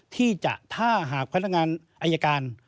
ที่จะถ้าหากพนักงานอายการ